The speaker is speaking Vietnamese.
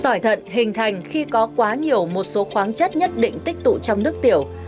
sỏi thận hình thành khi có quá nhiều một số khoáng chất nhất định tích tụ trong nước tiểu